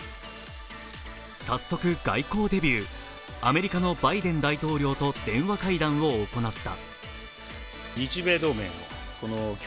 早速、外交デビュー、アメリカのバイデン大統領と電話会談を行った。